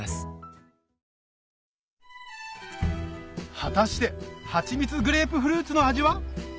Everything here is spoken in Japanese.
果たしてはちみつグレープフルーツの味は？